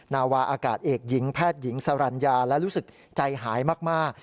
นาวาอากาศเอกหญิงแพทย์หญิงสรรญาและรู้สึกใจหายมาก